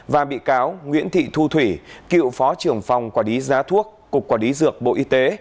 và bị cáo nguyễn thị thu thủy cựu phó trưởng phòng quản lý giá thuốc cục quản lý dược bộ y tế